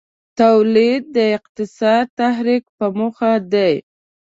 تولید د اقتصادي تحرک په موخه دی.